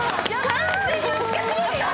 完全に打ち勝ちました。